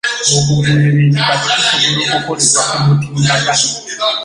Okugula ebintu kati kusobola okukolebwa ku mutimbagano.